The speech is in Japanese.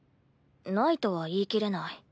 ないとは言い切れない。